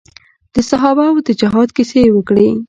د صحابه وو د جهاد کيسې يې وکړې.